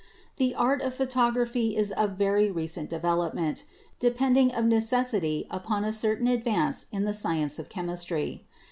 The art of photography is of very recent development, depending of necessity upon a certain advance in the sci ence of chemistry.